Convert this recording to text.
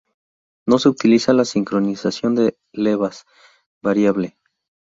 No se utiliza la sincronización de levas variable.